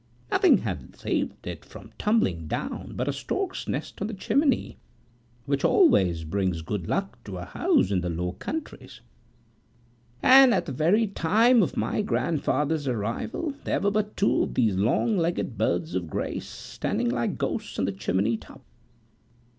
Nothing had saved it from tumbling down but a stork's nest on the chimney, which always brings good luck to a house in the Low Countries; and at the very time of my grandfather's arrival, there were two of these long legged birds of grace, standing like ghosts on the chimney top.